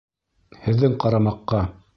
Һеҙҙең ҡарамаҡҡа